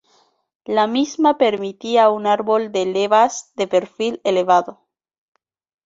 La misma permitía un árbol de levas de perfil elevado.